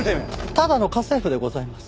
ただの家政夫でございます。